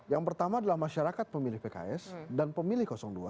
yang pertama adalah masyarakat pemilih pks dan pemilih dua